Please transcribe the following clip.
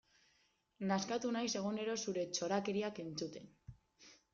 Nazkatu naiz egunero zure txorakeriak entzuten.